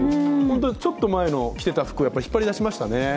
ちょっと前の着ていた服を引っ張り出しましたね。